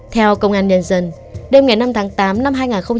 theo công an nhân dân đêm ngày năm tháng tám năm hai nghìn hai mươi ba